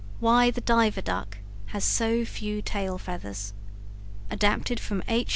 WHY THE DIVER DUCK HAS SO FEW TAIL FEATHERS Adapted from H.